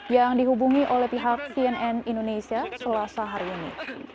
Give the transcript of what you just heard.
yang dihubungi oleh pihak cnn indonesia selasa hari ini